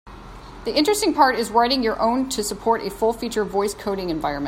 The interesting part is writing your own to support a full-featured voice coding environment.